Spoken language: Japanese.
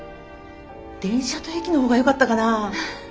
電車と駅のほうがよかったかなぁ。